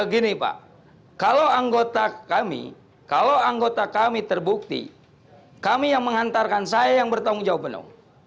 gini pak kalau anggota kami kalau anggota kami terbukti kami yang mengantarkan saya yang bertanggung jawab penuh